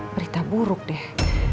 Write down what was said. berita buruk deh